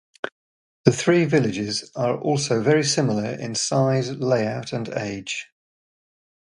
The three villages are also very similar in size, layout and age.